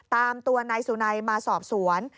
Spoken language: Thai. ตามตัวนายสุนัยมาสอบสวน